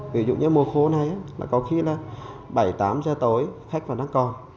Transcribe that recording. ví dụ như mùa khô này là có khi là bảy tám giờ tối khách vào đang còn